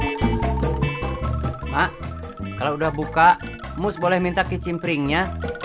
ibu kalau udah buka mus boleh minta kicim pring ya